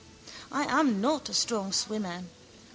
I am not a strong swimmer.